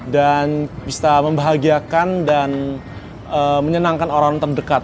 dan bisa membahagiakan dan menyenangkan orang terdekat